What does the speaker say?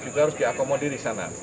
juga harus diakomodir disana